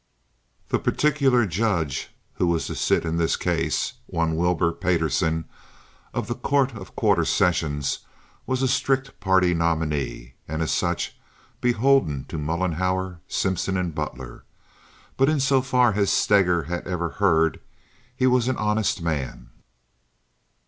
The particular judge who was to sit in this case, one Wilbur Payderson, of the Court of Quarter Sessions, was a strict party nominee, and as such beholden to Mollenhauer, Simpson, and Butler; but, in so far as Steger had ever heard, he was an honest man.